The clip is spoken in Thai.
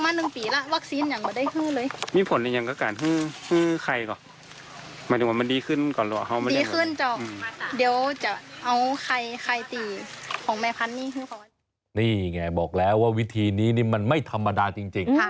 นี่ไงบอกแล้วว่าวิธีนี้นี่มันไม่ธรรมดาจริง